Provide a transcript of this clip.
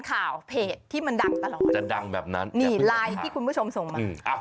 ข่าวเพจที่มันดังตลอดจะดังแบบนั้นนี่ไลน์ที่คุณผู้ชมส่งมา